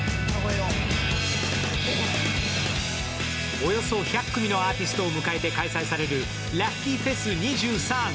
およそ１００組のアーティストを迎えて開催されるＬｕｃｋｙＦｅｓ’２３。